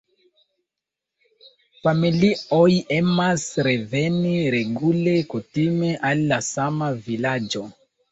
Familioj emas reveni regule, kutime al la sama vilaĝo.